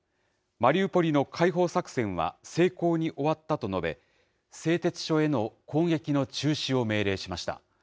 マリウポリの解放作戦は成功に終わったと述べ、製鉄所への攻撃の中止を命令しました。